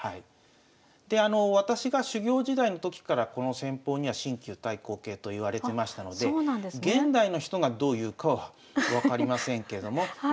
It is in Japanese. で私が修業時代の時からこの戦法には新旧対抗形といわれてましたので現代の人がどう言うかは分かりませんけれどもま